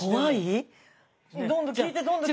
どんどん聞いてどんどん聞いてよ。